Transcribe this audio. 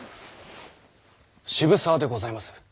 渋沢でございます。